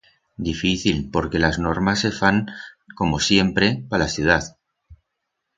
Difícil porque las normas se fan, como siempre, pa las ciudaz.